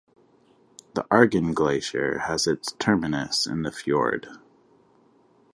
The Argand Glacier has its terminus in the fjord.